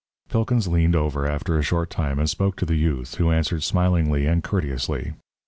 Pilkins leaned over after a short time and spoke to the youth, who answered smilingly, and courteously.